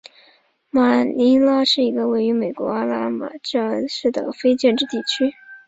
马尼拉是一个位于美国阿拉巴马州达拉斯县的非建制地区。